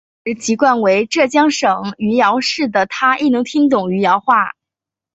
同时籍贯为浙江省余姚市的她亦能听懂余姚话。